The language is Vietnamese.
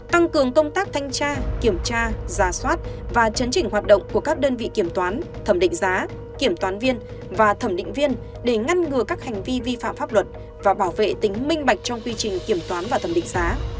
tăng cường công tác thanh tra kiểm tra giả soát và chấn chỉnh hoạt động của các đơn vị kiểm toán thẩm định giá kiểm toán viên và thẩm định viên để ngăn ngừa các hành vi vi phạm pháp luật và bảo vệ tính minh bạch trong quy trình kiểm toán và thẩm định giá